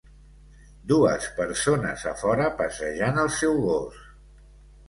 Dues persones a fora passejant el seu gos.